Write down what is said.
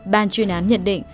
ban chuyên án nhận định